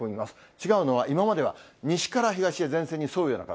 違うのは、今までは西から東へ前線に沿うような形。